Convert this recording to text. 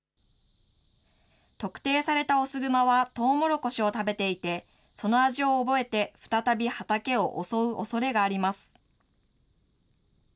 特定された雄グマはトウモロコシを食べていて、その味を覚えて再び畑を襲うおそれがあります。